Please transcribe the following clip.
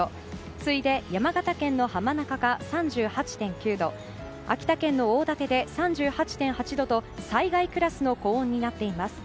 次いで山形県の浜中が３８．９度秋田県の大舘で３８．８度と災害クラスの高温になっています。